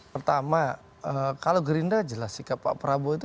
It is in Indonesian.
pertama kalau gerindra jelas sikap pak prabowo itu